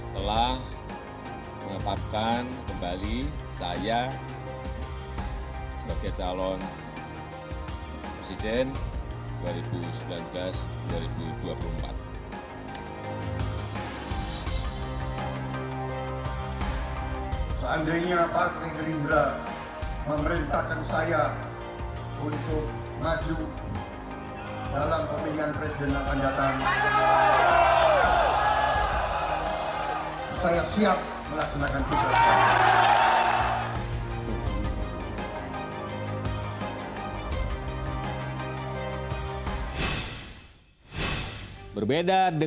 telah mengetapkan kembali saya sebagai calon presiden dua ribu sembilan belas dua ribu dua puluh empat